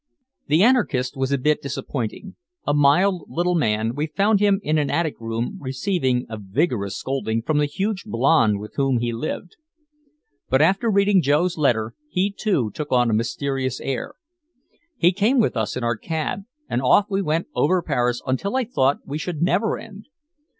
The anarchist was a bit disappointing. A mild little man, we found him in an attic room receiving a vigorous scolding from the huge blonde with whom he lived. But after reading Joe's letter, he, too, took on a mysterious air. He came with us in our cab, and off we went over Paris until I thought we should never end.